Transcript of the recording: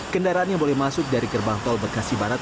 kendaraan yang boleh masuk dari gerbang tol bekasi barat